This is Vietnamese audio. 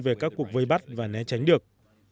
về các cuộc vây bắt và né tránh được